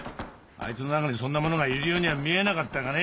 あいつの中にそんなものがいるようには見えなかったがね。